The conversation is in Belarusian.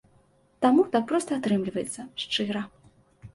Таму так проста атрымліваецца, шчыра.